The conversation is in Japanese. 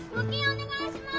お願いします！